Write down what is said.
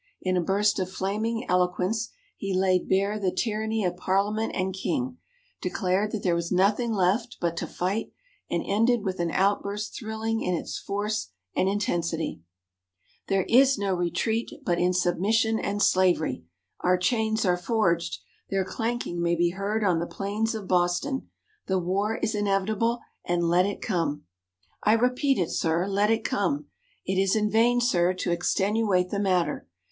In a burst of flaming eloquence, he laid bare the tyranny of Parliament and King, declared that there was nothing left but to fight, and ended with an outburst thrilling in its force and intensity: "There is no retreat but in submission and slavery! Our chains are forged! Their clanking may be heard on the plains of Boston! The war is inevitable and let it come! "I repeat it, sir, let it come! It is in vain, sir, to extenuate the matter!